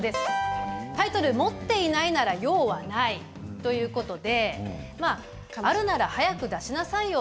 タイトル、持ってないなら用はないということであるなら早く出しなさいよ。